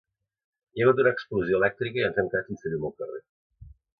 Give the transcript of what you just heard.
Hi ha hagut una explosió elèctrica i ens hem quedat sense llum al carrer